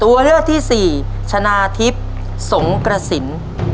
ตัวเลือกที่สี่ชนะทิพย์สงกระสิน